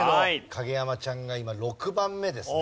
影山ちゃんが今６番目ですね。